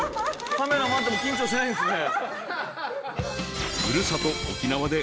カメラ回っても緊張しないんですね。